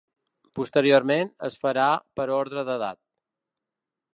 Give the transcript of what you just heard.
Posteriorment, es farà per ordre d’edat.